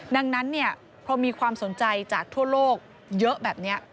ดังนั้นพอมีความสนใจจากทั่วโลกเยอะแบบนี้